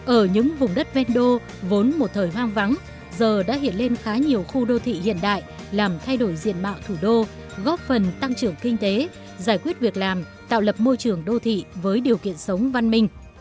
ở những vùng đất ven đô vốn một thời hoang vắng giờ đã hiện lên khá nhiều khu đô thị hiện đại làm thay đổi diện mạo thủ đô góp phần tăng trưởng kinh tế giải quyết việc làm tạo lập môi trường đô thị với điều kiện sống văn minh